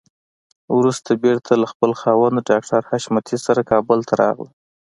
وروسته بېرته له خپل خاوند ډاکټر حشمتي سره کابل ته راغله.